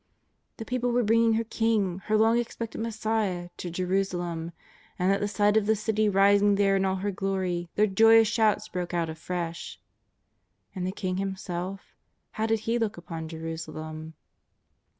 The people were bringing her King, her long expected Messiah, to Jeru salem, and at the sight of the City rising there in all her glory, their joyous shouts broke out afresh. And the King Himself — how did He look upon Jerusalem